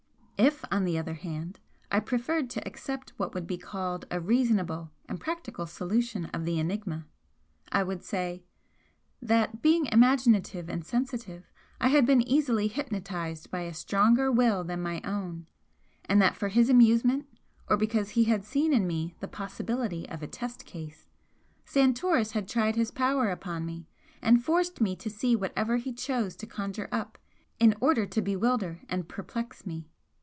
If, on the other hand, I preferred to accept what would be called a reasonable and practical solution of the enigma, I would say: That, being imaginative and sensitive, I had been easily hypnotised by a stronger will than my own, and that for his amusement, or because he had seen in me the possibility of a 'test case,' Santoris had tried his power upon me and forced me to see whatever he chose to conjure up in order to bewilder and perplex me.